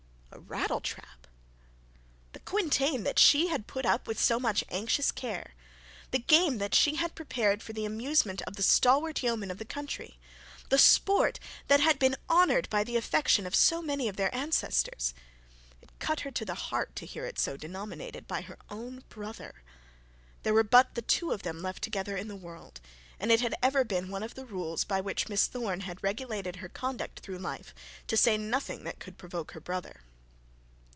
A rattletrap! The quintain that she had put up with so much anxious care; the game that she had prepared for the amusement of the stalwart yeomen of the country; the sport that had been honoured by the affection of so many of their ancestors! It cut her to the heart to hear it so denominated by her own brother. There were but the two of them left together in the world; and it had ever been one of the rules by which Miss Thorne had regulated her conduct through life, to say nothing that could provoke her brother.